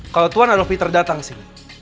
kalau tuhan adolfi terdatang sini